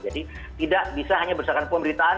jadi tidak bisa hanya berserahkan pemerintahan